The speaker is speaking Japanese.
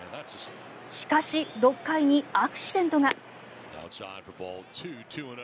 しかし、６回にアクシデントが。